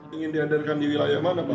pengen diedarkan di wilayah mana pak